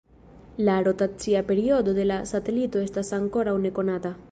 La rotacia periodo de la satelito estas ankoraŭ nekonata.